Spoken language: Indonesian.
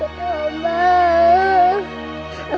aku takut mama